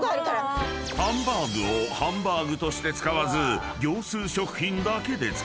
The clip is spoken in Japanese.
［ハンバーグをハンバーグとして使わず］